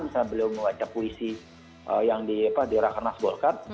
misalnya beliau melecet puisi yang di rakan nas bolkart